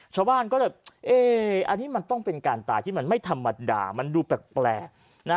ชาวบ้านก็เลยเอ๊อันนี้มันต้องเป็นการตายที่มันไม่ธรรมดามันดูแปลกนะ